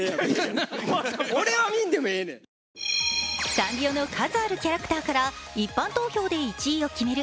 サンリオの数あるキャラクターから一般投票で１位を決める